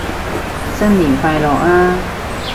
新年快樂啊